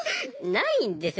ないんですよ。